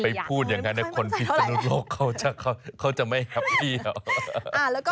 คุณไปพูดอย่างนั้นคนพิษสนุโลกเขาจะไม่ฮัพพี่เหรอ